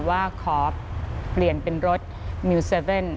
ว่าขอเปลี่ยนเป็นรถมิว๗